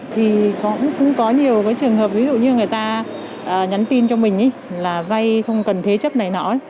thì cũng có nhiều cái trường hợp ví dụ như người ta nhắn tin cho mình là vay không cần thế chấp này nọ